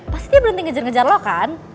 pasti dia berhenti ngejar ngejar lok kan